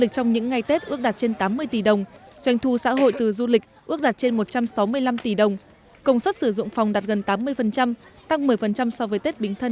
trong bảy ngày nghỉ tết đinh dậu hai nghìn một mươi bảy tỉnh thừa thiên huế đón hơn một trăm linh lượt khách tăng một mươi năm so với tết bình thân hai nghìn một mươi sáu